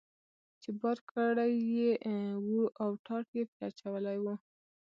چې بار کړی یې و او ټاټ یې پرې اچولی و.